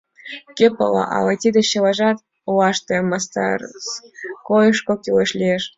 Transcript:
Кӧ пала, ала тиде чылажат олаште, мастерскойышто кӱлеш лиеш.